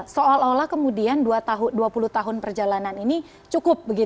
seolah olah kemudian dua puluh tahun perjalanan ini cukup